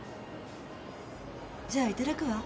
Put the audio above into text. じゃあ頂くわ。